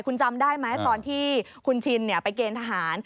คุณจำได้ไหมตอนที่คุณชินไปเกณฑ์ทหาร